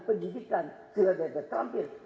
pendidikan secara berdekat terampil